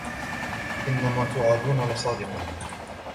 إِنَّمَا تُوعَدُونَ لَصَادِقٌ